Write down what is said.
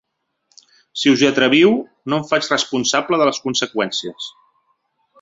Si us hi atreviu, no em faig responsable de les conseqüències.